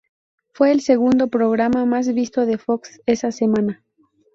Fue el segundo programa más visto de Fox esa semana.